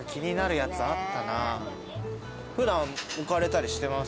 普段置かれたりしてますか？